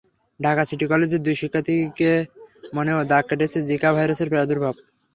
Dhaka city কলেজের দুই শিক্ষার্থীর মনেও দাগ কেটেছে জিকা ভাইরাসের প্রাদুর্ভাব।